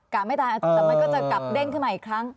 ไม่ตายแต่มันก็จะกลับเด้งขึ้นมาอีกครั้ง